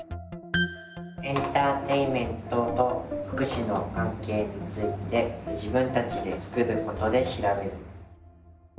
エンターテインメントと福祉の関係について自分たちで作ることで調べる。